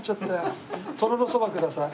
とろろそばください。